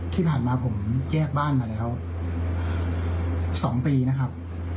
ที่ผ่านมาผมแยกบ้านมาแล้ว๒ปีนะครับ